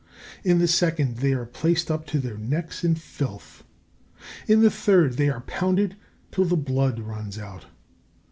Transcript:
In the second, they are placed up to their necks in filth. In the third, they are pounded till the blood runs out.